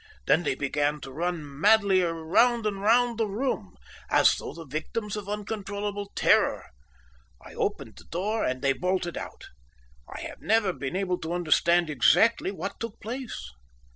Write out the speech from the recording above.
Then they began to run madly round and round the room, as though the victims of uncontrollable terror. I opened the door, and they bolted out. I have never been able to understand exactly what took place."